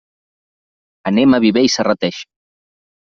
Anem a Viver i Serrateix.